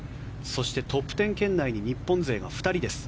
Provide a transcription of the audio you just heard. そしてトップ１０圏内に日本勢が２人です。